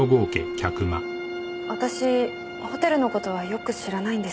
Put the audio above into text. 私ホテルの事はよく知らないんです。